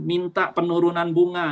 minta penurunan bunga